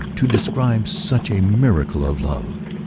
to describe such a miracle of love.